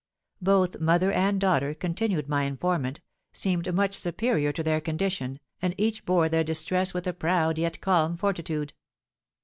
Both mother and daughter, continued my informant, seemed much superior to their condition, and each bore their distress with a proud yet calm fortitude."